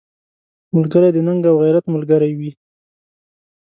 ملګری د ننګ او غیرت ملګری وي